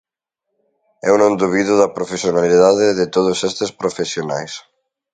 Eu non dubido da profesionalidade de todos estes profesionais.